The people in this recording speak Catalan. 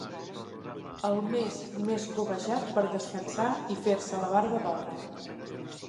El mes més cobejat per descansar i per fer-se la barba d'or.